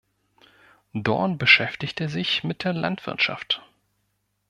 Dorn beschäftigte sich mit der Landwirtschaft.